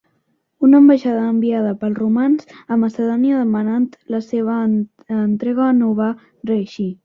Una ambaixada enviada pels romans a Macedònia demanant la seva entrega, no va reeixir.